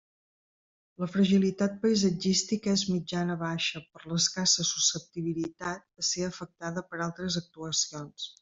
La fragilitat paisatgística és mitjana-baixa per l'escassa susceptibilitat a ser afectada per altres actuacions.